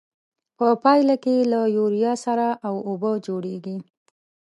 په پایله کې له یوریا سره او اوبه جوړیږي.